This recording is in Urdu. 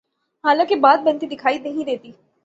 حالانکہ بات بنتی دکھائی نہیں دیتی۔